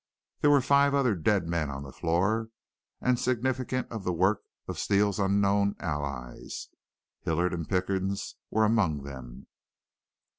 There were five other dead men on the floor, and, significant of the work of Steele's unknown allies, Hilliard and Pickens were among them.